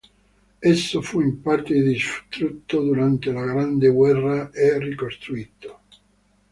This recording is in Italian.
Esso fu in parte distrutto durante la grande guerra e ricostruito.